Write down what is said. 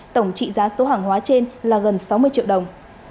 tổng trị giá số hàng hóa trên là gần sáu mươi triệu đồng